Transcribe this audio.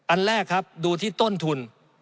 อันแรกครับดูที่ต้นทุน